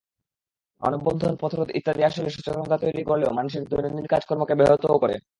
মানববন্ধন, পথরোধ ইত্যাদি আসলে সচেতনতা তৈরি করলেও মানুষের দৈনন্দিন কাজকর্মকে ব্যাহতও করে।